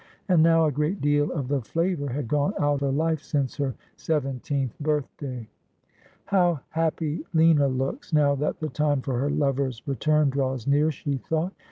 And now a great deal of the flavour had gone out of life since her seventeenth butLday. 'How happy Liua looks, now that the time for her lover's return draws near !' she thought.